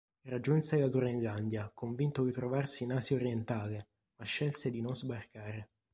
Raggiunse la Groenlandia, convinto di trovarsi in Asia orientale, ma scelse di non sbarcare.